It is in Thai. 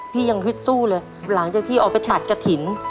พี่ยังวิทย์สู้เลยหลังจากที่เอาไปตัดกระถิ่น